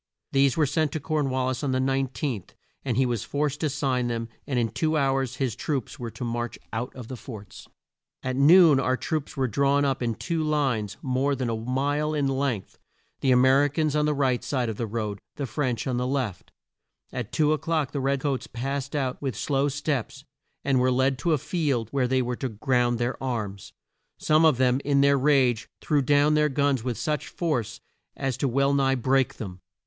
These were sent to Corn wal lis on the 19th, and he was forced to sign them, and in two hours his troops were to march out of the forts. [Illustration: THE SURRENDER AT YORKTOWN. P. 109.] At noon our troops were drawn up in two lines more than a mile in length; the A mer i cans on the right side of the road, the French on the left. At two o'clock the red coats passed out with slow steps, and were led to a field where they were to ground their arms. Some of them, in their rage, threw down their guns with such force as to well nigh break them.